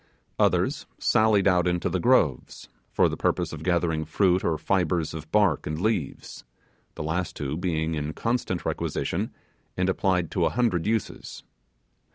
Others sallied out into the groves, for the purpose of gathering fruit or fibres of bark and leaves; the last two being in constant requisition, and applied to a hundred uses.